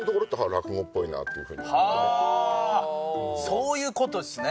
そういう事ですね。